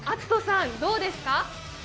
敬さん、どうですか？